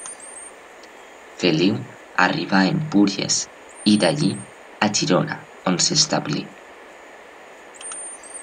Feliu arribà a Empúries i d'allí a Girona, on s'establí.